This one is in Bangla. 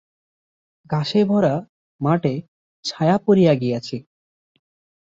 ঘাসে-ভরা মাঠে ছায়া পড়িয়া গিয়াছে।